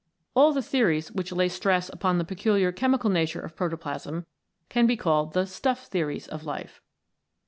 All the theories which lay stress upon the peculiar chemical nature of protoplasm can be called the Stuff Theories of Life.